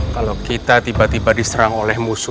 kalau kita tiba tiba diserang oleh musuh